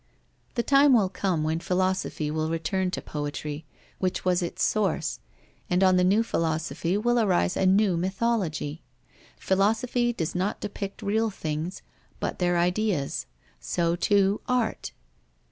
The time will come when philosophy will return to poetry, which was its source, and on the new philosophy will arise a new mythology. Philosophy does not depict real things, but their ideas; so too, art.